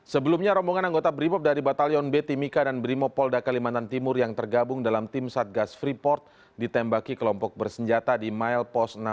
sebelumnya rombongan anggota brimop dari batalion b timika dan brimopolda kalimantan timur yang tergabung dalam tim satgas freeport ditembaki kelompok bersenjata di milepost enam ratus